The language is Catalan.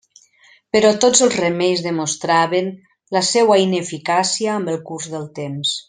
Però tots els remeis demostraven la seua ineficàcia amb el curs del temps.